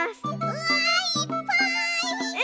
うわいっぱい！